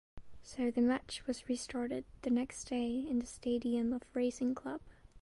So the match was restarted the next day in the Stadium of Racing Club.